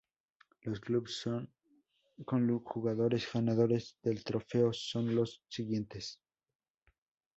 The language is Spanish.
Los Clubes con más jugadores ganadores del trofeo son los siguientes.